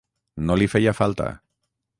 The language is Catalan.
no li feia falta